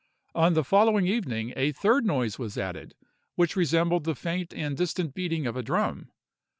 On the following evening, a third noise was added, which resembled the faint and distant beating of a drum.